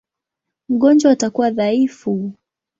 Mgonjwa atakuwa dhaifu.